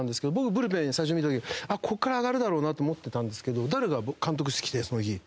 僕ブルペン最初見た時ここから上がるだろうなと思ってたんですけどダルが監督室来てその日。